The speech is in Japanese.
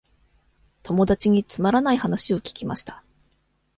友達につまらない話を聞きました。